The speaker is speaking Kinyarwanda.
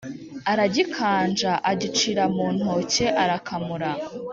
aragikanja acira muntoke arakamura